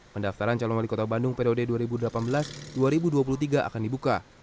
pendaftaran calon wali kota bandung periode dua ribu delapan belas dua ribu dua puluh tiga akan dibuka